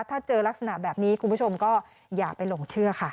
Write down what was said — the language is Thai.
ถ้าเจอลักษณะแบบนี้คุณผู้ชมก็อย่าไปหลงเชื่อค่ะ